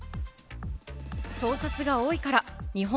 盗撮が多いから！